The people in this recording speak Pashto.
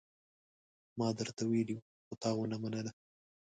ما درته ويلي وو، خو تا ونه منله.